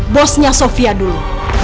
bosnya sofia dulu